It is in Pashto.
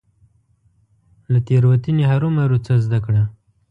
له تيروتني هرمروه څه زده کړه .